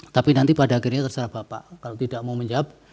tapi nanti pada akhirnya terserah bapak kalau tidak mau menjawab